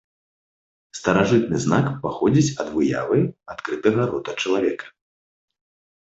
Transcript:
Старажытны знак паходзіць ад выявы адкрытага рота чалавека.